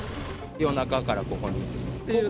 夜中からここにいる。